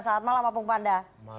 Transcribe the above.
selamat malam opung panda